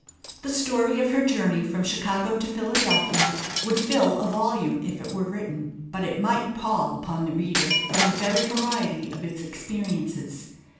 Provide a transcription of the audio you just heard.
The story of her journey from Chicago to Philadelphia would fill a volume if it were written, but it might pall upon the reader from the very variety of its experiences.